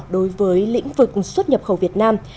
đối với lĩnh vực xuất nhập khẩu việt nam